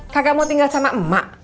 kagak mau tinggal sama emak